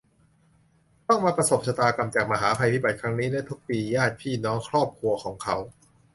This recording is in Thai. ต้องมาประสบชะตากรรม จากมหาภัยพิบัติครั้งนี้ และ ทุกปีญาติ พี่ น้อง ครอบครัว ของเขา